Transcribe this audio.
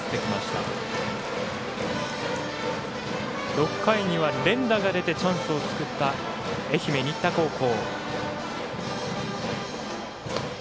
６回には連打が出てチャンスを作った愛媛・新田高校。